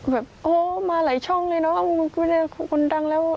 แบบโฮมาหลายช่องเลยเนาะคนดังแล้ว